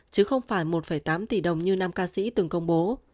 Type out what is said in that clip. chứ không phải một tám tỷ đồng như nam ca sĩ từng công bố